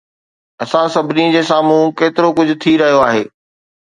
اسان سڀني جي سامهون ڪيترو ڪجهه ٿي رهيو آهي